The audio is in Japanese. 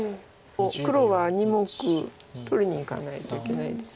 黒は２目取りにいかないといけないです。